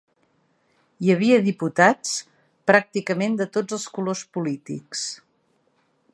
Hi havia diputats pràcticament de tots els colors polítics.